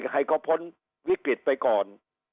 ให้เขาพ้นวิกฤตไปก่อน